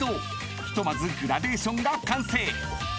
［ひとまずグラデーションが完成］